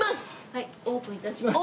はいオープン致します。